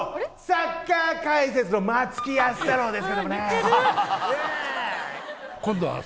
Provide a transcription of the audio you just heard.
サッカー解説の松木安太郎ですけどもね。